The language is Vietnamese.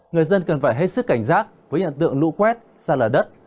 người dân cần phải hết sức cảnh giác với hiện tượng lũ quét xa lở đất